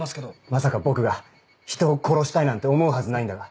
まさか僕が人を殺したいなんて思うはずないんだが。